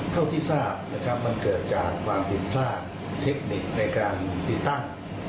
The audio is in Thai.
เท่าที่ทราบนะครับมันเกิดจากความผิดพลาดเทคนิคในการติดตั้ง